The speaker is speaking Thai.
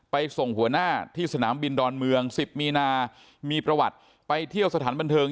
ส่งหัวหน้าที่สนามบินดอนเมือง๑๐มีนามีประวัติไปเที่ยวสถานบันเทิง